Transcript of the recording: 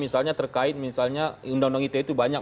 misalnya terkait misalnya undang undang ite itu banyak